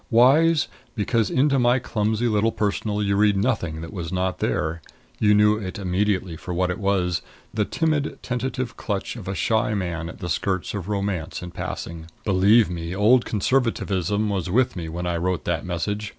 Wise, because into my clumsy little Personal you read nothing that was not there. You knew it immediately for what it was the timid tentative clutch of a shy man at the skirts of Romance in passing. Believe me, old Conservatism was with me when I wrote that message.